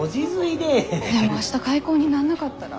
でも明日開口になんなかったら。